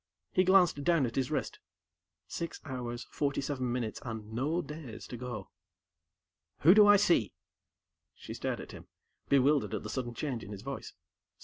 He glanced down at his wrist. Six hours, forty seven minutes, and no days to go. "Who do I see?" She stared at him, bewildered at the sudden change in his voice.